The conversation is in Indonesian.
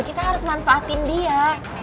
kita harus manfaatin dia